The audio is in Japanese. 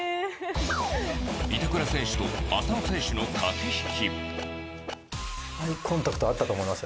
板倉選手と浅野選手の駆け引き。